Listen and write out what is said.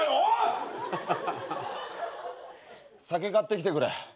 酒買ってきてくれ。